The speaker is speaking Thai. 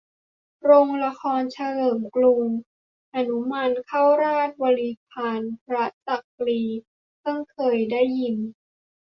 โรงละครเฉลิมกรุง :"หนุมานข้าราชบริพารพระจักรี" เพิ่งเคยได้ยิน